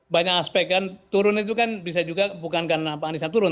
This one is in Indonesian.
banyak aspek kan turun itu kan bisa juga bukan karena pak anissa turun